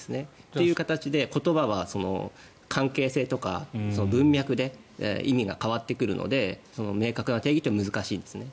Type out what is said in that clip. という形で言葉は関係性とか文脈で意味が変わってくるので明確な定義って難しいですね。